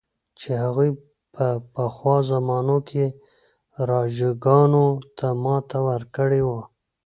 چې هغوی په پخوا زمانو کې راجاګانو ته ماته ورکړې وه.